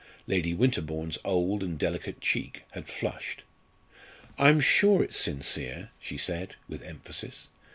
Lady Winterbourne's old and delicate cheek had flushed. "I'm sure it's sincere," she said with emphasis.